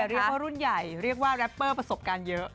เรียกว่ารุ่นใหญ่เรียกว่าแรปเปอร์ประสบการณ์เยอะ